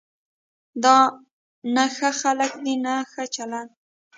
دا نه ښه خلک دي نه ښه چلند.